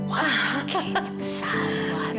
wah gini pesawat tuh